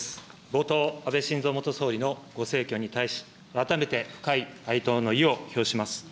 冒頭、安倍元総理のご逝去に対し、改めて深い哀悼の意を表します。